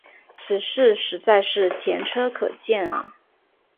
此事实在是前车可鉴啊。